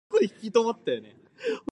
Four of the songs were instrumentals.